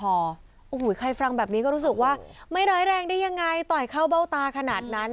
โอ้โหใครฟังแบบนี้ก็รู้สึกว่าไม่ร้ายแรงได้ยังไงต่อยเข้าเบ้าตาขนาดนั้น